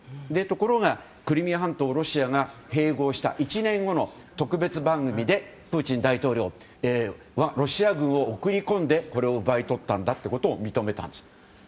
ところがクリミア半島をロシアが併合した１年後の特別番組でプーチン大統領はロシア軍を送り込んでこれを奪い取ったんだと認めたんです。